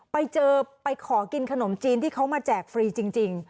ไปเจอไปขอกินขนมจีนที่เขามาแจกฟรีจริง